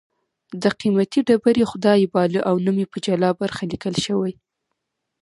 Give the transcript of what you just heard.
د قېمتي ډبرې خدای یې باله او نوم یې په جلا برخه لیکل شوی